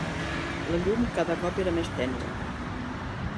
La llum cada cop era més tènue.